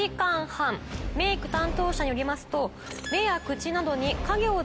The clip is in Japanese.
メーク担当者によりますと。